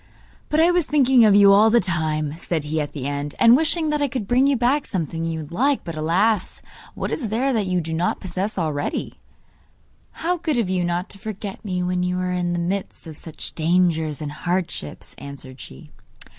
'But I was thinking of you all the time,' said he at the end, 'and wishing that I could bring you back something you would like. But, alas! what is there that you do not possess already?' 'How good of you not to forget me when you are in the midst of such dangers and hardships,' answered she.